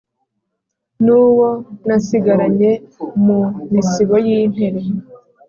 n'uwo nasigiranye mu misibo y'intere,